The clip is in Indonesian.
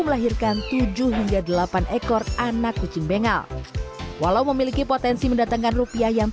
melahirkan tujuh hingga delapan ekor anak kucing bengal walau memiliki potensi mendatangkan rupiah yang